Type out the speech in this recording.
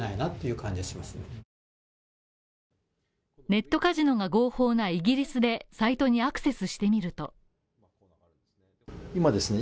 ネットカジノが合法なイギリスでサイトにアクセスしてみると今ですね